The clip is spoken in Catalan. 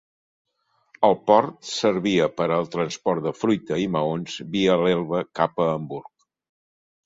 El port servia per al transport de fruita i maons via l'Elba cap a Hamburg.